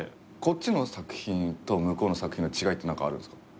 こっちの作品と向こうの作品の違いって何かあるんですか？